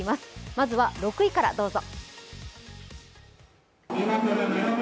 まずは６位からどうぞ。